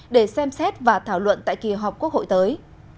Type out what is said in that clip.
để xem xét và thảo luận tại kỳ họp quốc hội tới